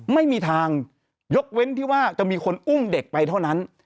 ไม่มีทางยกเว้นที่ว่าจะมีคนอุ้มเด็กไปเท่านั้น